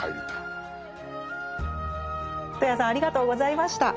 戸谷さんありがとうございました。